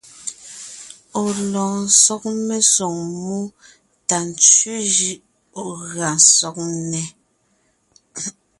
Ɔ̀ lɔɔn sɔg mesoŋ mú tà ntsẅé jʉʼ ɔ̀ gʉa sɔg nnɛ́.